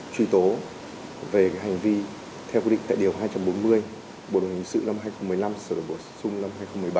truy tố về hành vi theo quy định tại điều hai trăm bốn mươi bộ luật hình sự năm hai nghìn một mươi năm sở đội bộ xung năm hai nghìn một mươi bảy